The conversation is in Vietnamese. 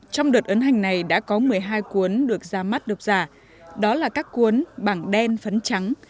trong đợt ấn hành này đã có một mươi hai cuốn được ra mắt độc giả đó là các cuốn bảng đen phấn trắng